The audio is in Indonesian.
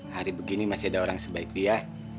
hari begini masih ada orang sebaik dia